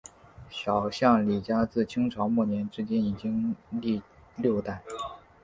小港李家自清朝末年至今已经历六代。